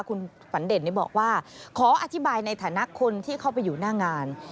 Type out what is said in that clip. คุณฝันเด่นบอกว่าขออธิบายในฐานะคนที่เข้าไปอยู่หน้างาน